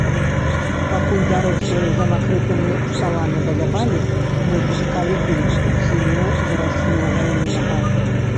Пакуль дарослыя за накрытымі сталамі балявалі, мы пускалі дым у сіняе вераснёвае неба.